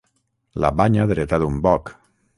La banya dreta d'un boc.